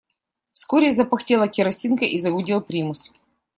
Вскоре запыхтела керосинка и загудел примус.